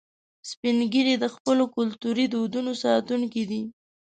سپین ږیری د خپلو کلتوري دودونو ساتونکي دي